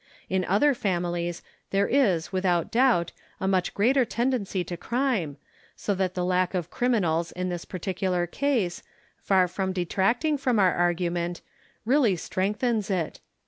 In other families there is, without doubt, a much greater tendency to crime, so that the lack of criminals in this particular case, far from detracting from our argument, really strengthens it.